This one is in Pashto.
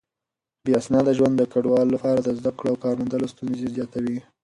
بې اسناده ژوند د کډوالو لپاره د زده کړو او کار موندلو ستونزې زياتوي.